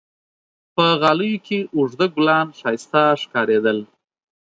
په غالیو کې اوږده ګلان ښایسته ښکارېدل.